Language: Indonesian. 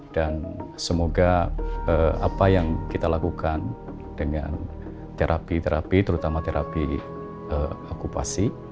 semoga apa yang kita lakukan dengan terapi terapi terutama terapi akupasi